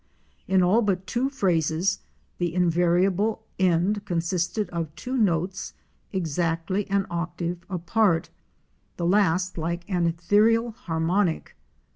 In all but two phrases the invariable end consisted of two notes exactly an octave apart, the last like an ethereal harmonic.